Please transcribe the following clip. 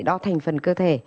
đo thành phần cơ thể